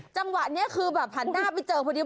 จังหวะนี้คือหันหน้าไปเจอคนใหญ่